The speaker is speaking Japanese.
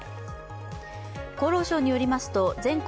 厚労省によりますと、全国